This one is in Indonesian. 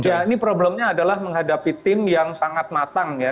ya ini problemnya adalah menghadapi tim yang sangat matang ya